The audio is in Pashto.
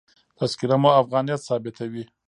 تذکره مو افغانیت ثابتوي.